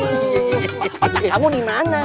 otak kamu dimana